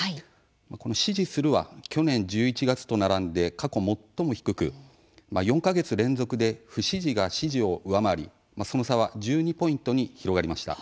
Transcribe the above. この「支持する」は去年１１月と並んで過去最も低く４か月連続で不支持が支持を上回り、その差は１２ポイントに広がりました。